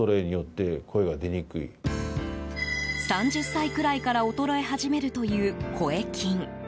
３０歳くらいから衰え始めるという声筋。